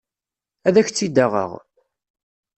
Ad ak-tt-id-aɣeɣ.